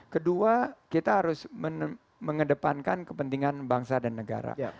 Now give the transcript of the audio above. kedua kita harus mengedepankan kepentingan bangsa dan negara